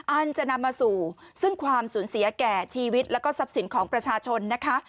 อันจะนำมาสู่ซึ่งความสูญเสียแก่ชีวิตแล้วก็ทรัพย์สินของประชาชนนะคะ